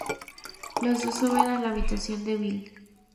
Los dos suben a la habitación de Bill.